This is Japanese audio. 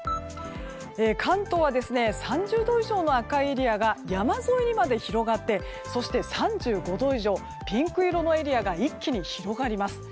関東は３０度以上の赤いエリアが山沿いにまで広がってそして３５度以上ピンク色のエリアが一気に広がります。